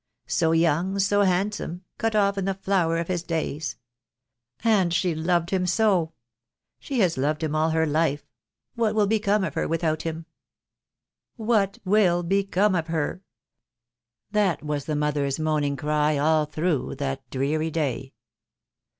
So young, so handsome — cut off in the flower of his days! And she loved him so. She has loved him all her life. What will become of her without him?" "What will become of her?" that was the mother's moaning cry all through that dreary day.